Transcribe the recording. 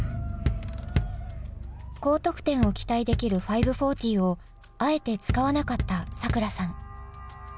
高得点を期待できる５４０をあえて使わなかったさくらさん。